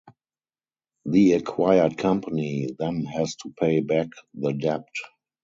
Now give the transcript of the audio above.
The acquired company then has to pay back the debt.